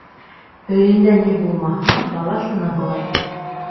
Өйөндә ни булмаһа, бала шуны һорай.